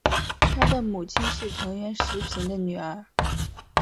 他的母亲是藤原时平的女儿。